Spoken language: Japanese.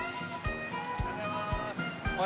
おはようございます！